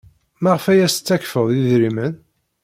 Maɣef ay as-tettakfed idrimen?